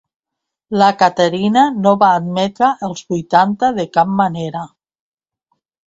La Caterina no va admetre els vuitanta de cap manera.